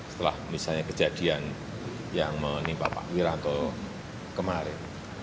setelah misalnya kejadian yang menimpa pak wiranto kemarin